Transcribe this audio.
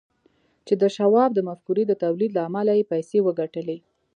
چې د شواب د مفکورې د توليد له امله يې پيسې وګټلې.